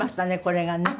これがね。